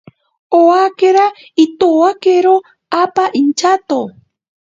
Owakera itowakero apa inchato.